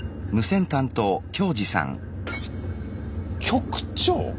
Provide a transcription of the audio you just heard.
局長？